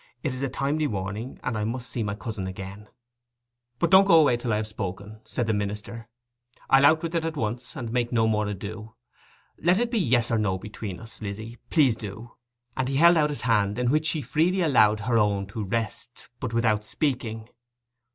It is a timely warning, and I must see my cousin again.' 'But don't go away till I have spoken,' said the minister. 'I'll out with it at once, and make no more ado. Let it be Yes or No between us, Lizzy; please do!' And he held out his hand, in which she freely allowed her own to rest, but without speaking.